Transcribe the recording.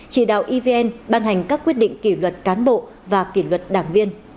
chỉ đạo evn ban hành các quyết định kỷ luật cán bộ và kỷ luật đảng viên